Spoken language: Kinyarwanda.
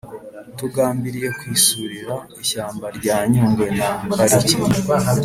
tugambiriye kwisurira ishyamba rya Nyungwe na Pariki